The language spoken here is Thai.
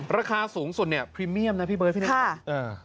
ราคาสูงสุดพรีเมียมนะพี่เบิร์ดพี่นักศึกษ์